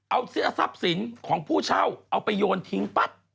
เอาทรัพย์สินของผู้เช่าเอาไปโยนทิ้งปั๊บ